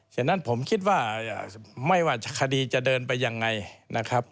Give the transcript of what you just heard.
ฉะนั้นผมคิดว่าไม่ว่าคดีจะเดินไปยังไงนะครับ